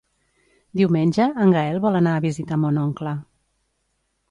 Diumenge en Gaël vol anar a visitar mon oncle.